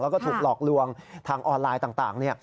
แล้วก็ถูกหลอกลวงทางออนไลน์ต่าง